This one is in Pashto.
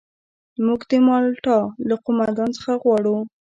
موږ د مالټا له قوماندان څخه غواړو.